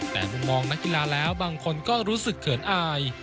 แต่มุมมองนักกีฬาแล้วบางคนก็รู้สึกเขินอาย